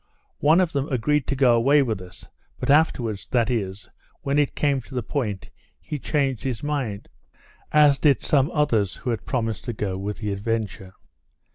One of them agreed to go away with us; but afterwards, that is, when it came to the point, he changed his mind; as did some others who had promised to go with the Adventure.